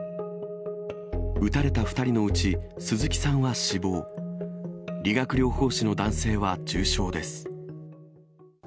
撃たれた２人のうち鈴木さんは死亡、理学療法士の男性は重傷です。